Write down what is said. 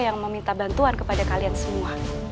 yang meminta bantuan kepada kalian semua